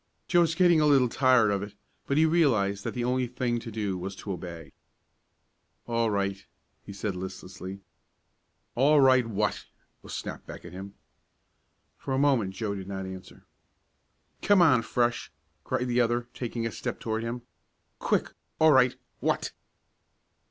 Joe was getting a little tired of it, but he realized that the only thing to do was to obey. "All right," he said, listlessly. "All right, what?" was snapped back at him. For a moment Joe did not answer. "Come on, Fresh.!" cried the other, taking a step toward him. "Quick all right what?"